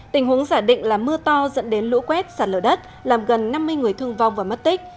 tình huống giả định là mưa to dẫn đến lũ quét sạt lở đất làm gần năm mươi người thương vong và mất tích